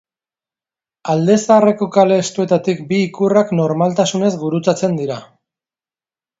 Alde zaharreko kale estuetatik bi ikurrak normaltasunez gurutzatzen dira.